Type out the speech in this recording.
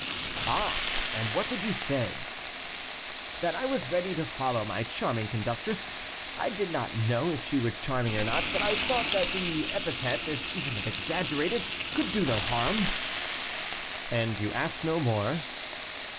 "Ah! and what did you say?" "That I was ready to follow my charming conductress. I did not know if she were charming or not, but I thought that the epithet, even if exaggerated, could do no harm." "And you asked no more?"